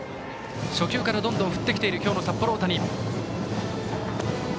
初球からどんどん振ってきている今日の札幌大谷。